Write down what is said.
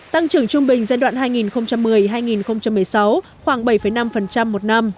tăng trưởng trung bình giai đoạn hai nghìn một mươi hai nghìn một mươi sáu khoảng bảy năm một năm